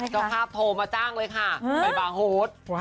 เจ้าภาพโทรมาจ้างเลยค่ะไปบาร์โฮด